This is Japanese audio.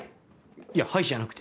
いや「はい」じゃなくて。